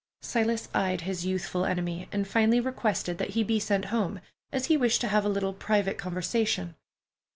Silas eyed his youthful enemy, and finally requested that he be sent home, as he wished to have a little private conversation.